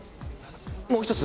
もう一つ